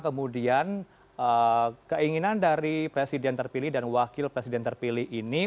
kemudian keinginan dari presiden terpilih dan wakil presiden terpilih ini